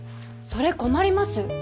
それ困ります！